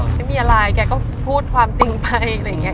ไม่มีอะไรแกก็พูดความจริงไปอะไรอย่างนี้